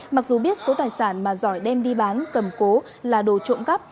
mặc dù biết số tài sản mà giỏi đem đi bán cầm cố là đồ trộm cắp